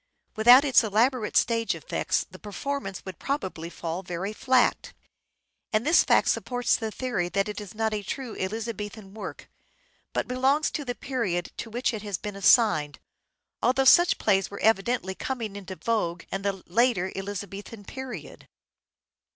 Without its elaborate stage effects the performance would probably fall very flat ; and this fact supports the theory that it is not a true Elizabethan work, but belongs to the period to which it has been assigned, although such plays were evidently coming into vogue in the later Elizabethan period.